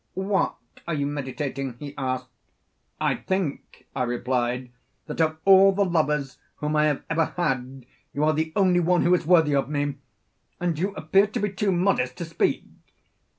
'What are you meditating?' he said. 'I think,' I replied, 'that of all the lovers whom I have ever had you are the only one who is worthy of me, and you appear to be too modest to speak.